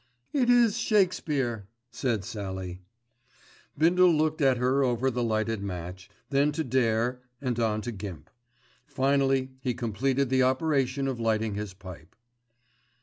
"It is Shakespeare," said Sallie. Bindle looked at her over the lighted match, then to Dare and on to Gimp. Finally he completed the operation of lighting his pipe.